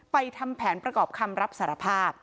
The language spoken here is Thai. ทำแผนประกอบคำรับสารภาพ